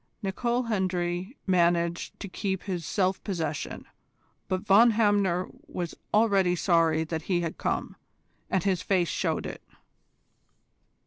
Nicol Hendry managed to keep his self possession, but Von Hamner was already sorry that he had come, and his face showed it.